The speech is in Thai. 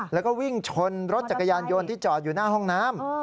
แล้วก็วิ่งชนรถจักรยานยนต์ที่จอดอยู่หน้าห้องน้ำ